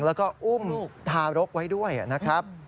แล้วก็อุ้มทารกไว้ด้วยนะครับ